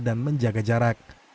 dan menjaga jarak